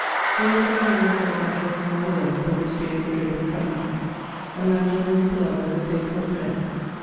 He was by trade a haberdasher of small wares, but was free of the drapers' company. A man generally beloved; a faythfull friend.